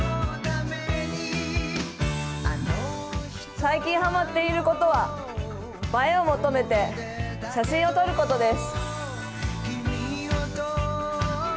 最近ハマっていることは映えを求めて写真を撮ることです。